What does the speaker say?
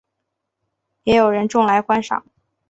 也有人种来观赏。